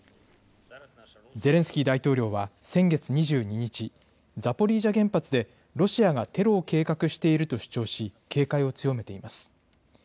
ゼレンスキー大統領は先月２２日、ザポリージャ原発でロシアがテロを計画していると主張し、警戒を強めています。